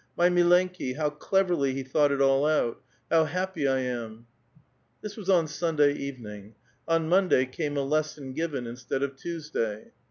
My mlleukU how cleverly he thought it all out ! How happy I am !" l^iiis was on Sunda3' evening. On Monday came a lesson ^ven instead of Tuesday.